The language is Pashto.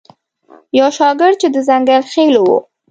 یو شاګرد چې د ځنګل خیلو و.